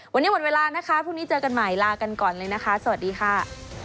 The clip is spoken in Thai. วันนี้หมดเวลานะคะพรุ่งนี้เจอกันใหม่ลากันก่อนเลยนะคะสวัสดีค่ะ